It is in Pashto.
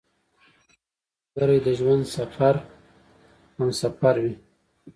ملګری د ژوند سفر همسفر وي